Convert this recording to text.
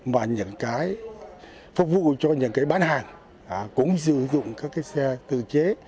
và những cái phục vụ cho những cái bán hàng cũng sử dụng các cái xe tự chế